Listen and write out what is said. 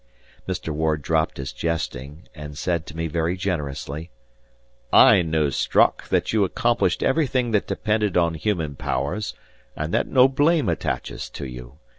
Mr. Ward dropped his jesting and said to me very generously, "I know, Strock, that you accomplished everything that depended on human powers; and that no blame attaches to you.